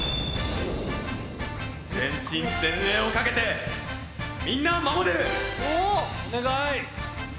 全身全霊をかけてみんなを守る！